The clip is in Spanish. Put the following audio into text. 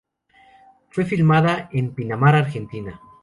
Fue filmada en Pinamar, Argentina.